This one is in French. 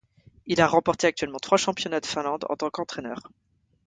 Il a remporté actuellement trois championnats de Finlande en tant qu'entraîneur.